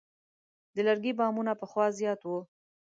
د لرګي بامونه پخوا زیات وو.